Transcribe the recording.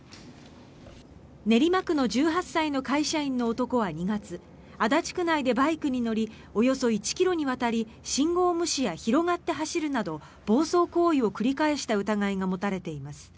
練馬区の１８歳の会社員の男は２月足立区内でバイクに乗りおよそ１ｋｍにわたり信号無視や広がって走るなど暴走行為を繰り返した疑いが持たれています。